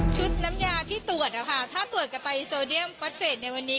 น้ำยาที่ตรวจนะคะถ้าตรวจกับไตโซเดียมฟอสเฟสในวันนี้